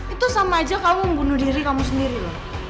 itu sama aja kamu membunuh diri kamu sendiri loh